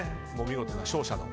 見事な勝者の。